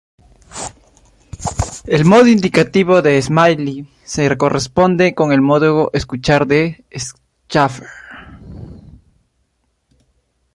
El modo indicativo de Smalley se corresponde con el modo "escuchar" de Schaeffer.